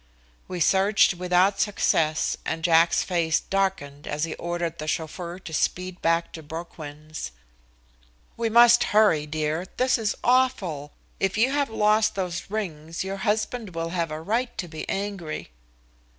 We searched without success and Jack's face darkened as he ordered the chauffeur to speed back to Broquin's. "We must hurry, dear. This is awful. If you have lost those rings, your husband will have a right to be angry."